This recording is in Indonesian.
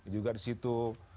juga di situ